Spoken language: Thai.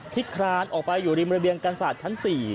คลานออกไปอยู่ริมระเบียงกันศาสตร์ชั้น๔